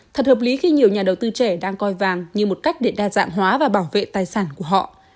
thật hợp lý khi nhiều nhà đầu tư trẻ đang coi vàng như một cách để đa dạng hóa và bảo vệ tài sản của họ